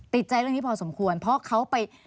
ติดใจเรื่องนี้พอสมควรเพราะเขาไป